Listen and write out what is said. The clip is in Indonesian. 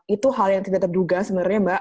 itu hal yang tidak terduga sebenarnya mbak